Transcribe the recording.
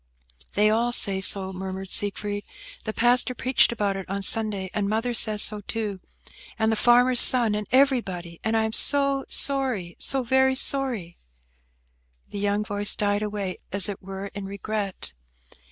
"They all say so," murmured Siegfried. "The pastor preached about it on Sunday, and mother says so, too, and the farmer's son, and everybody; and I am so sorry, so very sorry!" The young voice died away, as it were, in regret.